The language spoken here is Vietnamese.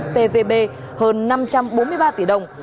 pvb hơn năm trăm bốn mươi ba tỷ đồng